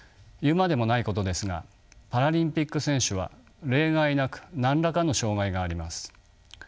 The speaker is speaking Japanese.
言うまでもないことですがパラリンピック選手は例外なく何らかの障がいがあります。